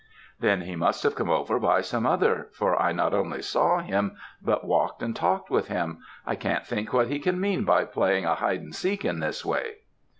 "'Then he must have come over by some other, for I not only saw him but walked and talked with him. I can't think what he can mean by playing at Hide and Seek in this way?'